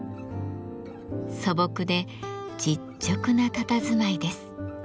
素朴で実直なたたずまいです。